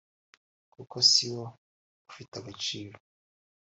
kuko siwo ufite agaciro